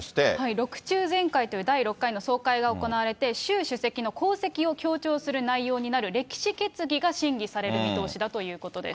６中全会という第６回の総会が行われて、習主席の功績を強調する内容になる、歴史決議が審議される見通しだということです。